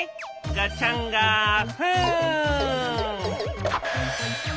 ガチャンガフン！